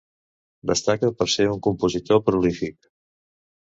Destaca per ser un compositor prolífic.